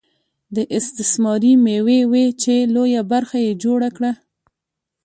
دا استثماري مېوې وې چې لویه برخه یې جوړه کړه